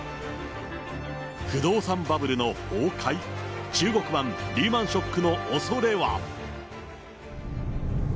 不動産バブルの崩壊、中国版リーマンショックのおそれは？